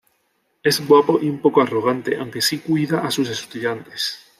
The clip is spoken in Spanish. Es guapo y un poco arrogante, aunque sí cuida a sus estudiantes.